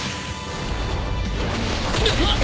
うわっ！